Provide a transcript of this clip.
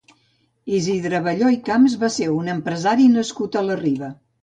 Isidre Abelló i Camps va ser un empresari nascut a la Riba.